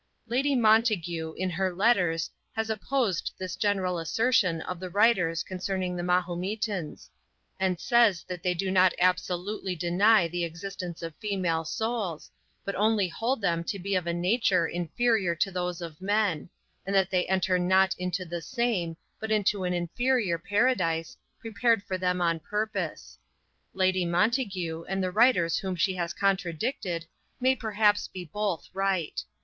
Lady Montague, in her letters, has opposed this general assertion of the writers concerning the Mahometans; and says that they do not absolutely deny the existence of female souls, but only hold them to be of a nature inferior to those of men; and that they enter not into the same, but into an inferior paradise, prepared for them on purpose. Lady Montague, and the writers whom she has contradicted, may perhaps be both right.